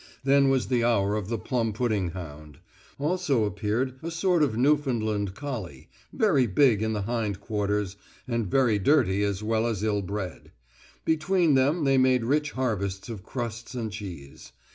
Then was the hour of the plum pudding hound; also appeared a sort of Newfoundland collie, very big in the hind quarters, and very dirty as well as ill bred. Between them they made rich harvest of crusts and cheese.